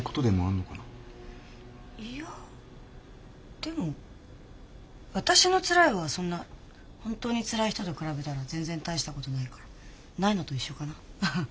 いやでも私のつらいはそんな本当につらい人と比べたら全然大したことないからないのと一緒かなハハ。